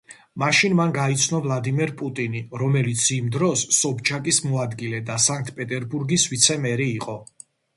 მაშინ მან გაიცნო ვლადიმერ პუტინი, რომელიც იმ დროს სობჩაკის მოადგილე და სანქტ-პეტერბურგის ვიცე-მერი იყო.